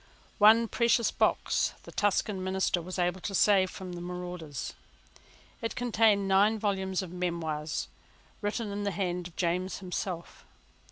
One precious box the Tuscan minister was able to save from the marauders. It contained nine volumes of memoirs, written in the hand of James himself.